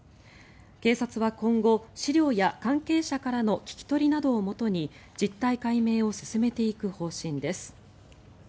警察は今後、資料や関係者からの聞き取りなどをもとに実態解明を進めていく方針です。